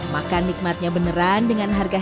makan nikmatnya beneran dengan harga